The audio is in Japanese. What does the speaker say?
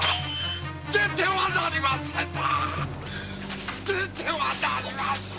出てはなりませぬぞ！